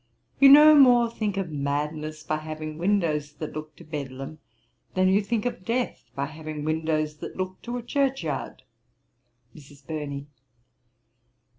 You no more think of madness by having windows that look to Bedlam, than you think of death by having windows that look to a church yard.' MRS. BURNEY.